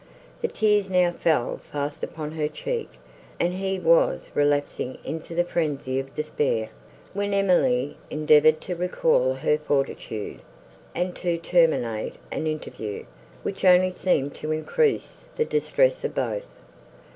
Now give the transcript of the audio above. The tears now fell fast upon her cheek, and he was relapsing into the frenzy of despair, when Emily endeavoured to recall her fortitude and to terminate an interview, which only seemed to increase the distress of both.